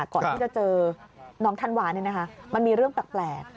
ก่อนที่จะเจอน้องธันวามันมีเรื่องแปลก